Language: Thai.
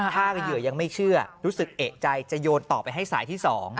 ถ้าเหยื่อยังไม่เชื่อรู้สึกเอกใจจะโยนต่อไปให้สายที่๒